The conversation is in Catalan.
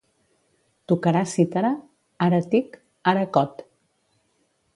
Tocarà cítara?, ara «tic», ara «cot».